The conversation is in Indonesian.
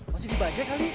masih di bajenya kali